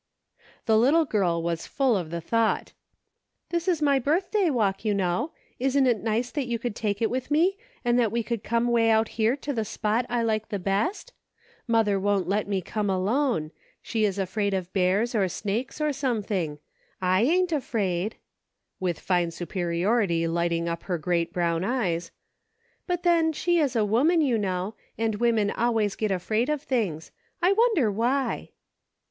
The little girl was full of the thought : "This is my birthday walk, you know. Isn't it nice that you could take it with me, and that we could come way out here to the spot I like the best ? Mother won't let me come alone. She is afraid of bears, or snakes, or something; I ain't afraid" — with fine superiority lighting up her great brown eyes —" but then she is a woman, you know ; and women always get afraid of things; I wonder why.!